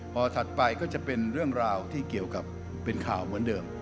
พอถัดไปก็จะเป็นเรื่องราวที่เกี่ยวกับเป็นข่าวเหมือนเดิม